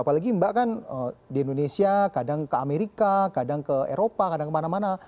apalagi mbak kan di indonesia kadang ke amerika kadang ke eropa kadang kemana mana